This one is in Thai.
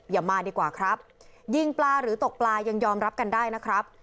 อย่ามาดีกว่าครับยิงปลาหรือตกปลายังยอมรับกันได้นะครับ